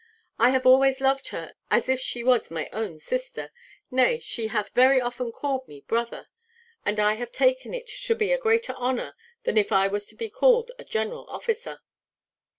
I have always loved her as if she was my own sister. Nay, she hath very often called me brother; and I have taken it to be a greater honour than if I was to be called a general officer."